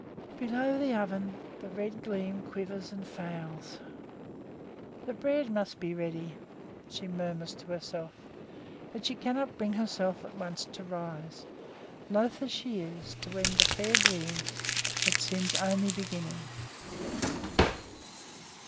Below the oven the red gleam quivers and fails. "The bread must be ready!" she murmurs to herself. But she cannot bring herself at once to rise, loth as she is to end the fair dream that seems only beginning.